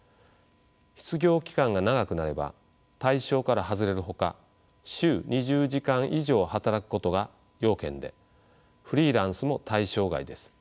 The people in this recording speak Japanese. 失業期間が長くなれば対象から外れるほか週２０時間以上働くことが要件でフリーランスも対象外です。